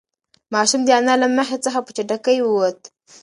ماشوم د انا له مخې څخه په چټکۍ ووت.